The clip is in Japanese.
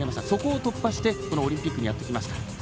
それを突破してオリンピックにやってきました。